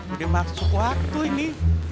udah masuk waktu ini